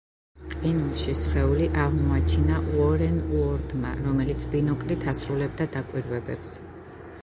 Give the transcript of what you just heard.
ყინულში სხეული აღმოაჩინა უორენ უორდმა, რომელიც ბინოკლით ასრულებდა დაკვირვებებს.